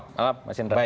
selamat malam mas indra